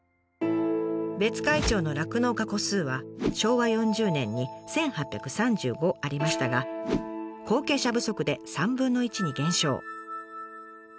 別海町の酪農家戸数は昭和４０年に１，８３５ありましたが後継者不足で３分の１に減少。